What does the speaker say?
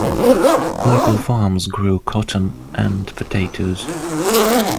Local farms grew cotton and potatoes.